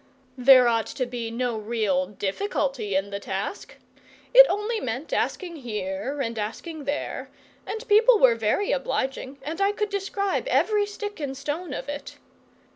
There ought to be no real difficulty in the task. It only meant asking here and asking there, and people were very obliging, and I could describe every stick and stone of it.